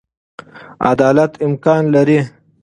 عدالت امکان لري.